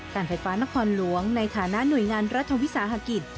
การไฟฟ้านครหลวงในฐานะหน่วยงานรัฐวิสาหกิจ